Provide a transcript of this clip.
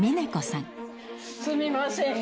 すみませんね。